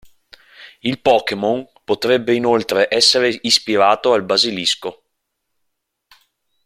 Il Pokémon potrebbe inoltre essere ispirato al basilisco.